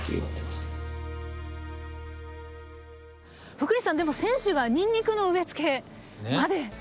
福西さんでも選手がにんにくの植え付けまでね。